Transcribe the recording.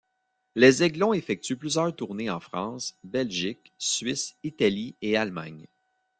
Les Aiglons effectuent plusieurs tournées en France, Belgique, Suisse, Italie et Allemagne.